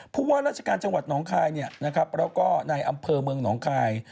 เพราะว่าราชการจังหวัดน้องคลายเนี่ยแล้วก็ในอำเภอเมืองน้องคลาย